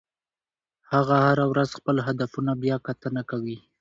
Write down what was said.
هغه هره ورځ خپل هدفونه بیاکتنه کوي.